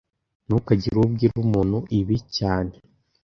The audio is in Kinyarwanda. Ntukagire uwo ubwira umuntu ibi cyane